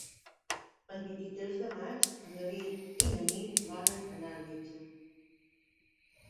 El vint-i-tres de maig en David i na Nit volen anar al metge.